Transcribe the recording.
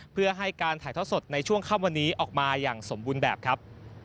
เพื่อให้การถ่ายท่อสดในช่วงค่ำวันนี้ออกมาอย่างสมบูรณ์แบบครับ